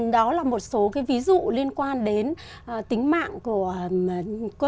đó là một số ví dụ liên quan đến tính mạng của công dân